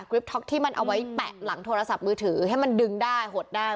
ท็อกที่มันเอาไว้แปะหลังโทรศัพท์มือถือให้มันดึงได้หดได้